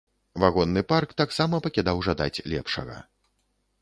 Вагонны парк таксама пакідаў жадаць лепшага.